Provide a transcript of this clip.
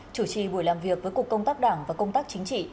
chủ trì buổi làm việc với cục công tác đảng và công tác chính trị